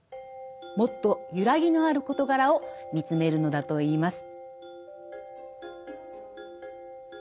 もっと揺らぎのある事柄を見つめるのだといいます。